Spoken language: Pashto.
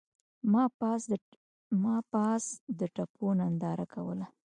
ما پاس د تپو ننداره کوله.